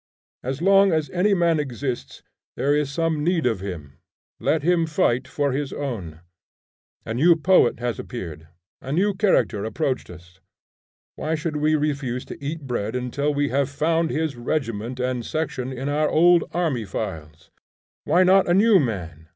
As long as any man exists, there is some need of him; let him fight for his own. A new poet has appeared; a new character approached us; why should we refuse to eat bread until we have found his regiment and section in our old army files? Why not a new man?